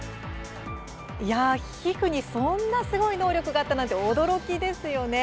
皮膚にそんなすごい能力があったというのは驚きですよね。